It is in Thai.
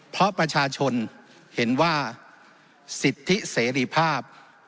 เพราะประชาชนเห็นว่าสิทธิเสรีภาพ